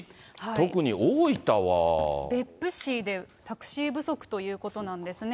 特に大分別府市でタクシー不足ということなんですね。